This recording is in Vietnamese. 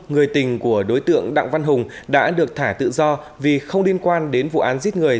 người tình của đối tượng đặng văn hùng đã được thả tự do vì không liên quan đến vụ án giết người